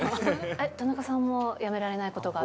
田中さんもやめられないことがある？